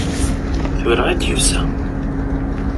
Tura i d-yusa.